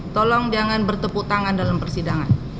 tolong jangan bertepuk tangan dalam persidangan